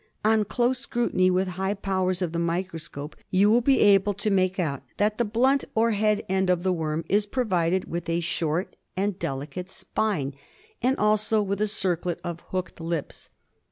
On close scrutiny with high powers of the microscope you will be able to make out that the blunt or head end of the worm is provided with a short and deli cate spine and also with a circlet of hooked lips.